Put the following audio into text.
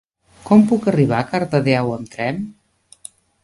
Com puc arribar a Cardedeu amb tren?